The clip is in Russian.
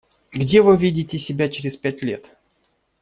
Где вы видите себя через пять лет?